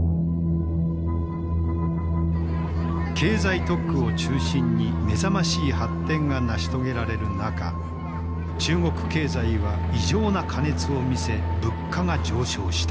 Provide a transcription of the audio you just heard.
経済特区を中心に目覚ましい発展が成し遂げられる中中国経済は異常な過熱を見せ物価が上昇した。